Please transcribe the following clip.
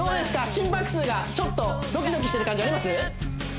心拍数がちょっとドキドキしてる感じあります？